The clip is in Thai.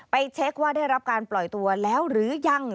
เช็คว่าได้รับการปล่อยตัวแล้วหรือยัง